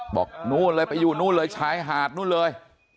บอกนู่นเลยไปอยู่นู่นเลยชายหาดนู่นเลย